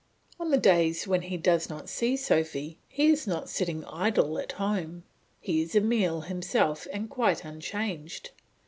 On the days when he does not see Sophy he is not sitting idle at home. He is Emile himself and quite unchanged.